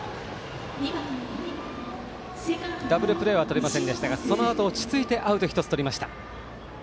ダブルプレーはとれませんでしたがそのあと落ち着いてアウト１つとりました。